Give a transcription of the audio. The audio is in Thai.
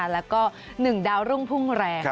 และ๑ดาวรุ่งพุ่งแรง